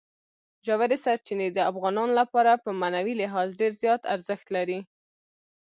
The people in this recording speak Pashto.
ژورې سرچینې د افغانانو لپاره په معنوي لحاظ ډېر زیات ارزښت لري.